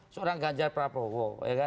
seorang ganjar pranowo